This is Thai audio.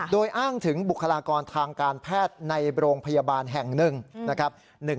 โดยอ้างถึงบุคลากรทางการแพทย์ในโรงพยาบาลแห่งหนึ่งนะครับ